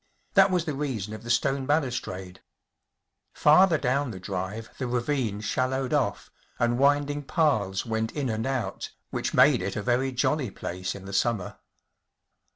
That was the reason of the stone balustrade. Farther down the drive the ravine shallowed off, and winding paths went in and out, which rnade it a very jolly place in the summer.